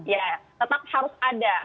ya tetap harus ada